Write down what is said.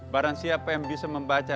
barang siapa yang bisa membaca